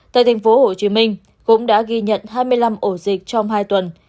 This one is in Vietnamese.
tại tp hcm cũng đã ghi nhận hai mươi năm ổ dịch trong hai tuần